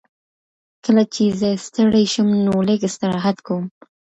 کله چې زه ستړی شم نو لږ استراحت کوم.